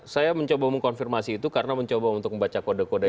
saya mencoba mengkonfirmasi itu karena mencoba untuk membaca kode kode